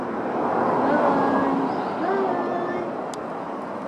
From here the route is extended by the Ferrocarril Huancayo - Huancavelica.